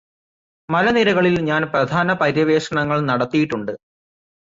മലനിരകളില് ഞാന് പ്രധാന പര്യവേക്ഷണങ്ങള് നടത്തിയിട്ടുണ്ട്